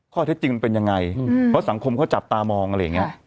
ข้อเท็จจริงมันเป็นยังไงเพราะสังคมเขาจับตามองอะไรอย่างนี้